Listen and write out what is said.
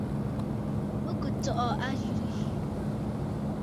Bɨ kɨ̀ tsɔʼɔ àzɨrə̀ yi.